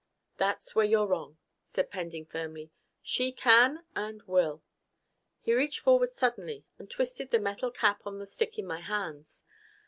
"There's where you're wrong," said Pending firmly. "She can and will." He reached forward suddenly and twisted the metal cap on the stick in my hands.